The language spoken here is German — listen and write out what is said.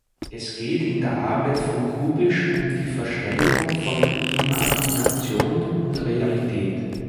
Es geht in der Arbeit von Kubisch um die Verschränkung von Imagination und Realität.